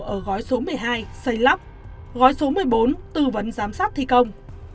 ở gói số một mươi hai xây lắp gói số một mươi bốn tư vấn giám sát thi công